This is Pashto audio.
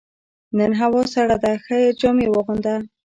نن هوا سړه ده، ښه جامې واغونده.